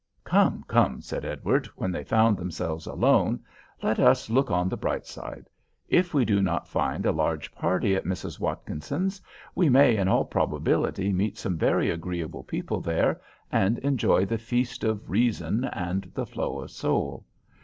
'" "Come, come," said Edward, when they found themselves alone, "let us look on the bright side. If we do not find a large party at Mrs. Watkinson's, we may in all probability meet some very agreeable people there, and enjoy the feast of reason and the flow of soul.